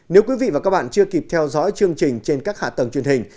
nếu quý vị và các bạn chưa kịp theo dõi chương trình trên các hạ tầng truyền hình